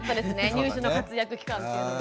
乳歯の活躍期間っていうのが。